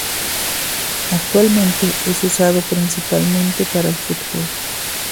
Actualmente es usado principalmente para el fútbol.